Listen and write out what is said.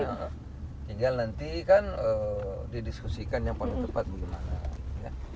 sehingga nanti kan didiskusikan yang paling tepat gimana